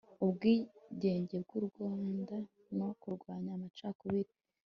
ubwigenge bw'u rwanda no kurwanya amacakubiri